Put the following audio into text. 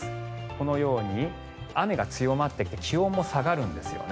このように雨が強まってきて気温も下がるんですよね。